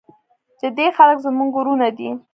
د دې خلک زموږ ورونه دي؟